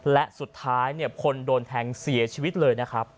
และสุดท้ายคนโดนแทงเสียชีวิตเลยนะครับ